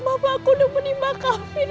bapakku menemani mbak amir